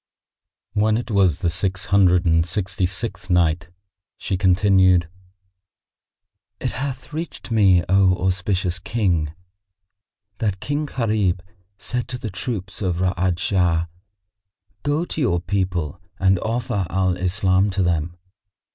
When it was the Six Hundred and Sixty sixth Night, She continued, It hath reached me, O auspicious King, that King Gharib said to the troops of Ra'ad Shah, "Go to your people and offer Al Islam to them.